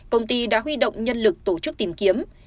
công ty đã huy động nhân lực tổ chức tìm kiếm